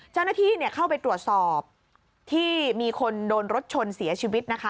เจ้าหน้าที่เข้าไปตรวจสอบที่มีคนโดนรถชนเสียชีวิตนะคะ